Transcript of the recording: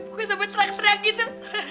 pokoknya sampai terang terang gitu